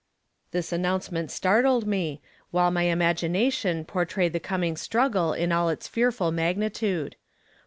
This announcement startled me, while my imagination portrayed the coming struggle in all its fearful magnitude.